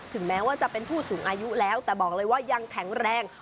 แม้ว่าจะเป็นผู้สูงอายุแล้วแต่บอกเลยว่ายังแข็งแรง